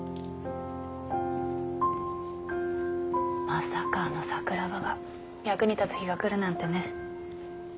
まさかあの桜庭が役に立つ日が来るなんてね。